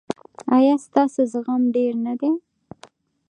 ایا ستاسو زغم ډیر نه دی؟